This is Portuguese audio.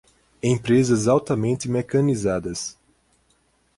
empresas altamente mecanizadas